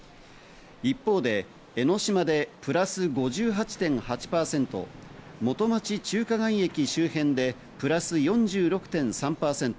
一方で、江の島でプラス５８．８％、元町・中華街駅周辺でプラス４６．３％。